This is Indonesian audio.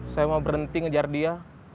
saya mau berhenti ngejar dia